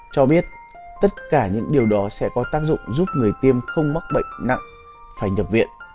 cho biết tất cả những điều đó sẽ có tác dụng giúp người tiêm không mắc bệnh nặng phải nhập viện